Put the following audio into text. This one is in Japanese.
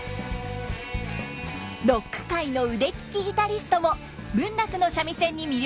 ロック界の腕利きギタリストも文楽の三味線に魅了されたといいます。